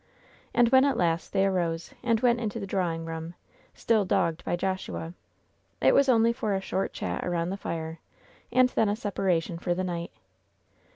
And when at last they arose and went into the draw ing room, still "dogged" by Joshua, it was only for a short chat around the fire, and then a separation for the night.